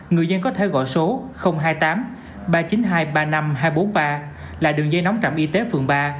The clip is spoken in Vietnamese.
người dân có thể gọi số hai mươi tám ba trăm chín mươi hai ba mươi năm hai trăm bốn mươi ba là đường dây nóng trạm y tế phường ba